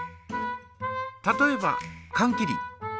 例えばかん切り。